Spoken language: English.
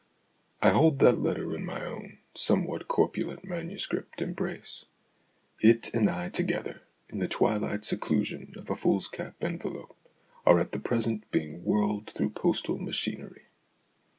I hold that letter in my own, somewhat corpulent, manuscript embrace. It and I together, in the twilight seclusion of a foolscap envelope, are at present being whirled through postal machinery.